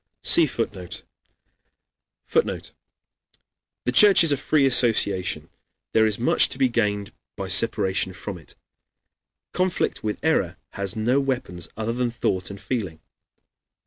[see Footnote] [Footnote: "The Church is a free association; there is much to be gained by separation from it. Conflict with error has no weapons other than thought and feeling.